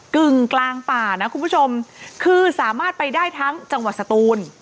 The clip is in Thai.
กึ่งกลางป่านะคุณผู้ชมคือสามารถไปได้ทั้งจังหวัดสตูน